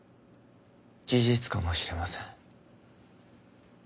事実かもしれません。